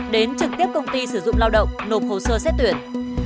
đến trực tiếp công ty sử dụng lao động nộp hồ sơ xét tuyển